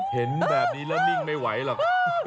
เห็นแบบนี้แล้วนิ่งไม่ไหวหรอก